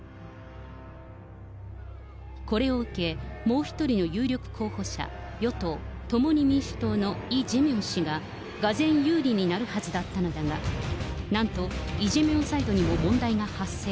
これを受け、もう１人の有力候補者、与党・共に民主党のイ・ジェミョン氏ががぜん有利になるはずだったのだが、なんとイ・ジェミョンサイドにも問題が発生。